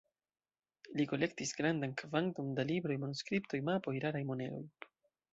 Li kolektis grandan kvanton da libroj, manuskriptoj, mapoj, raraj moneroj.